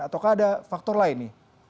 atau ada faktor lain